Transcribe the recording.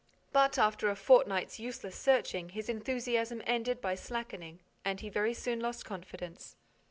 But, after a fortnight's useless searching, his enthusiasm ended by slackening and he very soon lost confidence.